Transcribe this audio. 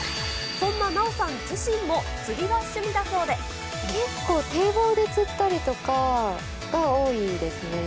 そんな奈緒さん自身も釣りが趣味結構堤防で釣ったりとかが多いですね。